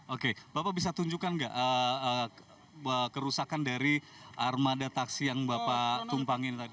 oke bapak bisa tunjukkan nggak kerusakan dari armada taksi yang bapak tumpangin tadi